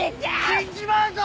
死んじまうぞ！